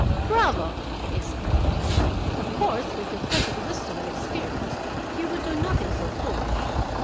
"Bravo!" he exclaimed. "Of course, with your present wisdom and experience, you would do nothing so foolish.